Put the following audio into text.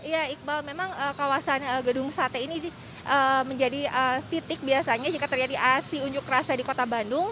ya iqbal memang kawasan gedung sate ini menjadi titik biasanya jika terjadi aksi unjuk rasa di kota bandung